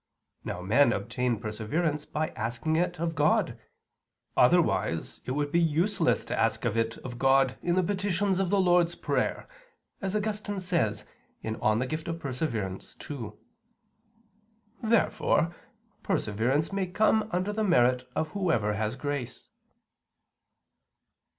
Now men obtain perseverance by asking it of God; otherwise it would be useless to ask it of God in the petitions of the Lord's Prayer, as Augustine says (De Dono Persev. ii). Therefore perseverance may come under the merit of whoever has grace.